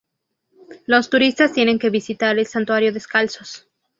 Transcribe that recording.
Los turistas tienen que visitar el santuario descalzos.